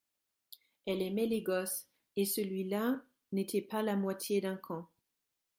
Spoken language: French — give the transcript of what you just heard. Elle aimait les gosses et celui-là n’était pas la moitié d’un con